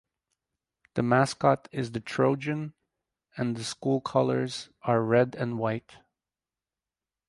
The mascot is the Trojan and the school colors are red and white.